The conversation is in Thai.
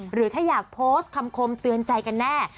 หรือแค่อยากโพสต์คำคมเตือนใจกันแน่